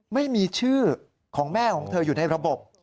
ไม่มีชื่อของแม่ของเธออยู่ในระบบ